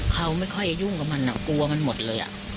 เขาไม่ค่อยยุ่งกับมันกลัวมันหมดเลย